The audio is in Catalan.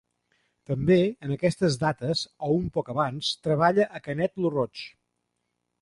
També, en aquestes dates o un poc abans, treballa a Canet lo Roig.